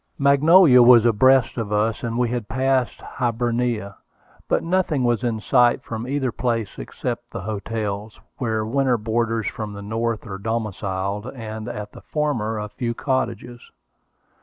Magnolia was abreast of us, and we had passed Hibernia; but nothing was in sight from either place except the hotels, where winter boarders from the North are domiciled, and at the former a few cottages.